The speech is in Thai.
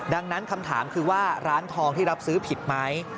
ดังนั้นคำถามคือว่าร้านทองที่รับซื้อผิดไหม